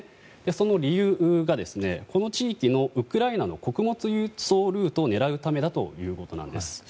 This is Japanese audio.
その理由が、この地域のウクライナの穀物輸送ルートを狙うためだということなんです。